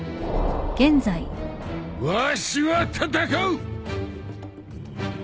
わしは戦う！